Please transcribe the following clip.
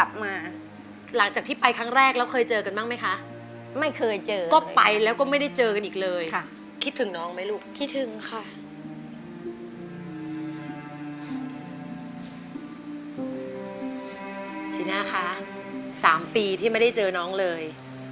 สีหน้าคะ๓ปีที่ไม่ได้เจอน้องเลย